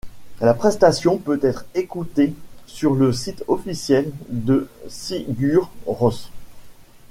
La prestation peut être écoutée sur le site officiel de Sigur Rós.